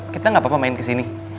kita gapapa main kesini